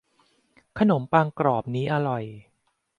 ขนมปังกรอบนี้อร่อย